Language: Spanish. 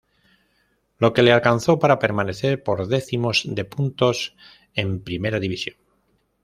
Lo que le alcanzó para permanecer por decimos de puntos en Primera División.